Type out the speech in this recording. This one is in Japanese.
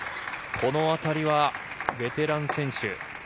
この辺りはベテラン選手。